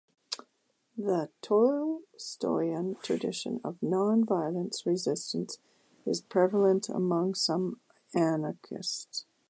The Tolstoyan tradition of non-violent resistance is prevalent among some anarchists.